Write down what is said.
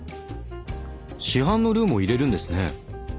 市販のルーも入れるんですね？